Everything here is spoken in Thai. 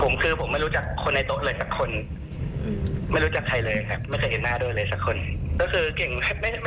ผมคือผมไม่รู้จักคนในโต๊ะเลยสักคนไม่รู้จักใครเลยครับไม่เคยเห็นหน้าด้วยเลยสักคนก็คือเก่งครับ